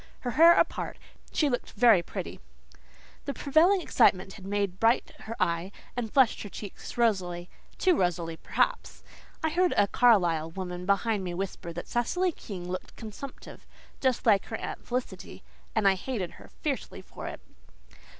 Her hair apart, she looked very pretty. The prevailing excitement had made bright her eye and flushed her cheeks rosily too rosily, perhaps. I heard a Carlisle woman behind me whisper that Cecily King looked consumptive, just like her Aunt Felicity; and I hated her fiercely for it.